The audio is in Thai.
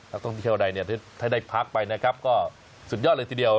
ท่องเที่ยวใดเนี่ยถ้าได้พักไปนะครับก็สุดยอดเลยทีเดียว